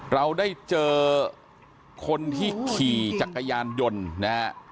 เราได้เจอคนที่ขี่จักรยานยนต์นะฮะ